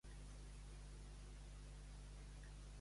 Avant va la caixa, que el mort encara belluga.